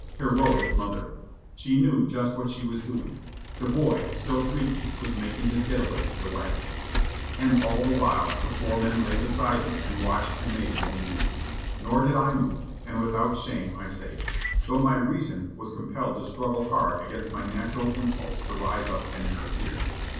Heroic mother! She knew just what she was doing. The boy, still shrieking, was making his get away to the wagons. And all the while the four men lay beside me and watched and made no move. Nor did I move, and without shame I say it; though my reason was compelled to struggle hard against my natural impulse to rise up and interfere.